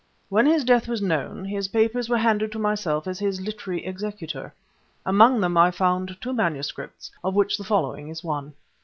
When his death was known, his papers were handed to myself as his literary executor. Among them I found two manuscripts, of which the following is one.